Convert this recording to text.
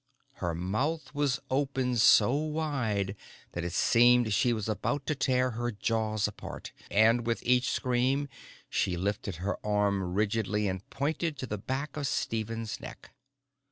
Her mouth was open so wide that it seemed she was about to tear her jaws apart. And with each scream she lifted her arm rigidly and pointed to the back of Stephen's neck.